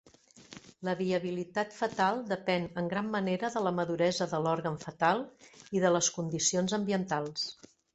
La viabilitat fetal depèn en gran manera de la maduresa de l'òrgan fetal i de les condicions ambientals.